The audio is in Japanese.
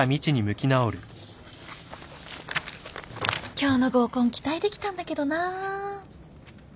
今日の合コン期待できたんだけどな。